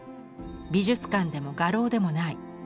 美術館でも画廊でもない